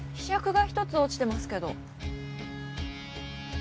杓が１つ落ちてますけど。